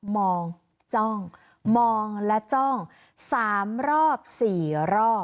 มองจ้องมองและจ้อง๓รอบ๔รอบ